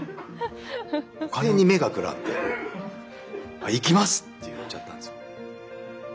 お金に目がくらんで「行きます」って言っちゃったんですよ。